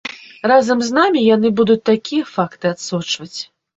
Разам з намі яны будуць такія факты адсочваць.